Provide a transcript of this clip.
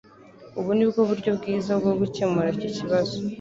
Ubu ni bwo buryo bwiza bwo gukemura icyo kibazo.